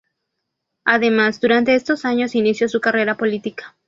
Además durante estos años inició su carrera política.